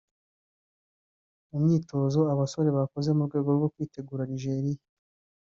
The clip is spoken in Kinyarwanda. mu myitozo aba basore bakoze mu rwego rwo kwitegura Nigeriya